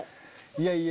いやいや。